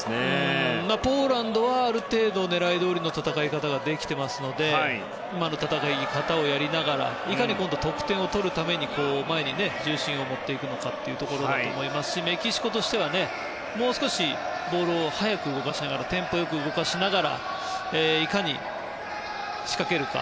ポーランドはある程度、狙いどおりの戦い方ができていますので今の戦い方をやりながらいかに今度は得点を取るために前に重心を持っていくのかだと思いますし、メキシコとしてはもう少しボールをテンポ良く動かしながらいかに仕掛けるか。